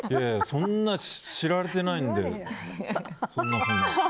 そんな知られてないんで。